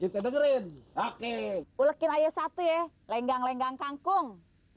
kemudian lolekinn ayo satu ye lenggang lenggang kangkung